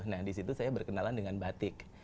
nah disitu saya berkenalan dengan batik